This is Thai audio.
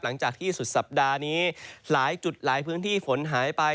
หลังจากที่สุดสัปดาห์นี้หลายจุดหลายพื้นที่ฝนหายไป